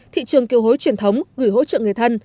thị trường kiều hối truyền thống gửi hỗ trợ người thân